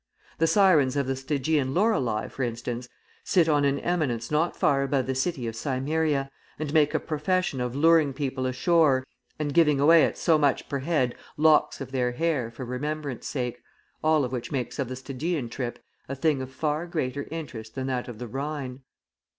The sirens of the Stygian Lorelei, for instance, sit on an eminence not far above the city of Cimmeria, and make a profession of luring people ashore and giving away at so much per head locks of their hair for remembrance' sake, all of which makes of the Stygian trip a thing of far greater interest than that of the Rhine.